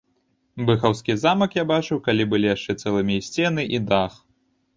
Быхаўскі замак я бачыў, калі былі яшчэ цэлымі і сцены, і дах.